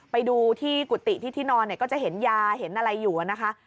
ไปดูที่กุฏิที่ที่นอนเนี่ยก็จะเห็นยาเห็นอะไรอยู่นะคะ